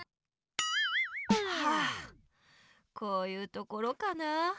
はぁこういうところかな。